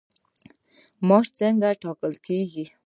معاش څنګه ټاکل کیږي؟